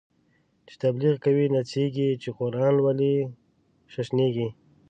چی تبلیغ کوی نڅیږی، چی قران لولی ششنیږی